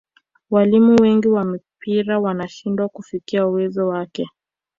walimu wengi wa mpira wanashindwa kufikia uwezo wake